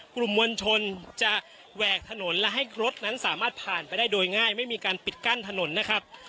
กลุ่มมวลชนจะแหวกถนนและให้รถนั้นสามารถผ่านไปได้โดยง่ายไม่มีการปิดกั้นถนนนะครับ